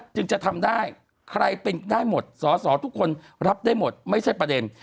จึงจะทำได้ใครเป็นได้หมดสอสอทุกคนรับได้หมดไม่ใช่ประเด็น